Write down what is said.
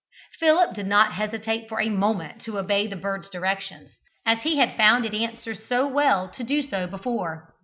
Philip did not hesitate for a moment to obey the bird's directions, as he had found it answer so well to do so before.